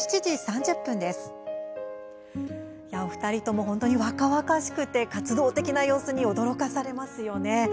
２人とも若々しくて活動的な様子に驚かされますよね。